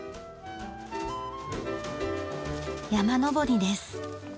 山登りです。